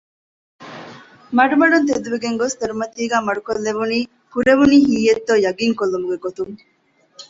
މަޑުމަޑުން ތެދުވެގެންގޮސް ދޮރުމަތީގައި މަޑުކޮށްލެވުނީ ކުރެވުނީ ހީއެއްތޯ ޔަޤީންކޮށްލުމުގެ ގޮތުން